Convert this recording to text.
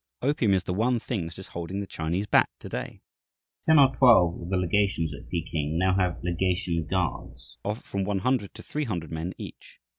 Opium is the one thing that is holding the Chinese back to day." Ten or twelve of the legations at Peking now have "legation guards" of from one hundred to three hundred men each.